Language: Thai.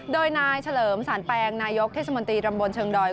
โดยนายเฉลิมสารแปลงนายกเทศมนตรีตำบลเชิงดอย